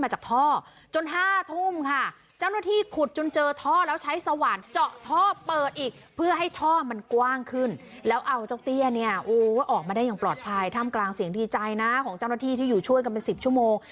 ผมดีใจนะของเจ้าหน้าที่ที่อยู่ช่วยกันเป็น๑๐ชั่วโมง